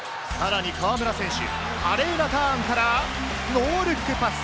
さらに河村選手、華麗なターンからノールックパス。